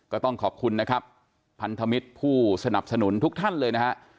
ก็ต้องขอบคุณนะครับพันธมิตรผู้สนับสนุนทุกท่านเลยนะฮะ